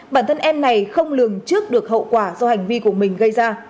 bản thân em này không lường trước được hậu quả do hành vi của mình gây ra